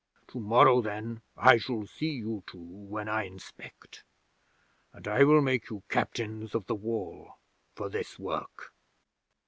To morrow, then, I shall see you two when I inspect, and I will make you Captains of the Wall for this work."